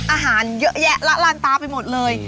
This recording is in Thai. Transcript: อาหารเยอะแยะละลานตาไปหมดเลย